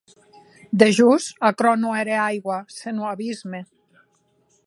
Dejós, aquerò non ère aigua, senon abisme.